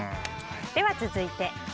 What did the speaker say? では続いて。